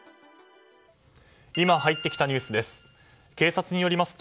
今入ってきたニュースです。